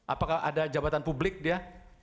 apakah ada jabatan publik dia